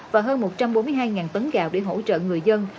và hơn một trăm bốn mươi hai tấn gạo để hỗ trợ người dân